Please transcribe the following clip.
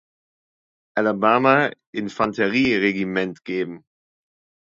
Alabama Infanterieregiment geben.